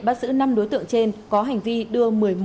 bắt giữ năm đối tượng trên có hành vi đưa một mươi một người